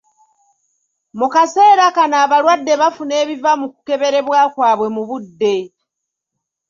Mu kaseera kano, abalwadde bafuna ebiva mu kukeberebwa kwaabwe mu budde.